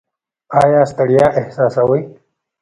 ایا ستړیا احساسوئ؟